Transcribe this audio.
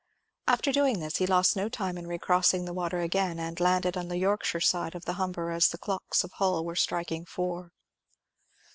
After doing this he lost no time in re crossing the water again, and landed on the Yorkshire side of the Humber as the clocks of Hull were striking four.